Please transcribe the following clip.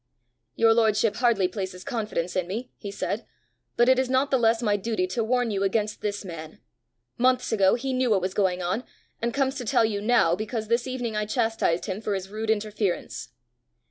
"Your lordship hardly places confidence in me," he said; "but it is not the less my duty to warn you against this man: months ago he knew what was going on, and comes to tell you now because this evening I chastised him for his rude interference."